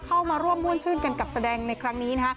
เข้ามาร่วมม่วนชื่นกันกับแสดงในครั้งนี้นะฮะ